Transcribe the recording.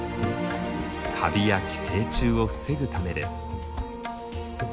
カビや寄生虫を防ぐためです。